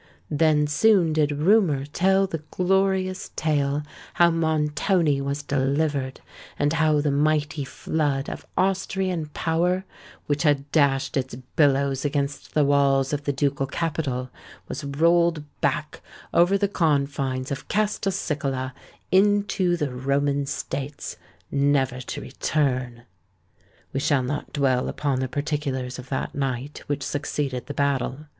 Then soon did rumour tell the glorious tale how Montoni was delivered; and how the mighty flood of Austrian power, which had dashed its billows against the walls of the ducal capital, was rolled back over the confines of Castelcicala into the Roman States, never to return! We shall not dwell upon the particulars of that night which succeeded the battle.